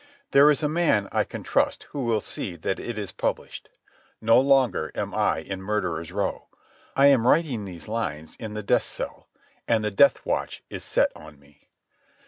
There is a man I can trust who will see that it is published. No longer am I in Murderers Row. I am writing these lines in the death cell, and the death watch is set on me.